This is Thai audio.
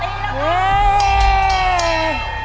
ตีละคัง